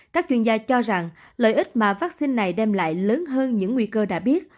các chuyên gia cho rằng lợi ích mà vaccine này đem lại lớn hơn những nguy cơ đã biết